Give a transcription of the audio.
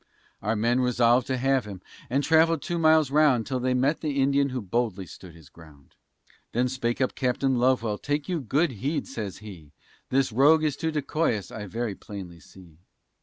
Our men resolv'd to have him, and travell'd two miles round, Until they met the Indian, who boldly stood his ground; Then spake up Captain Lovewell, "Take you good heed," says he, "This rogue is to decoy us, I very plainly see.